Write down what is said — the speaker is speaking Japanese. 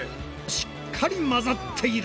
しっかり混ざっている！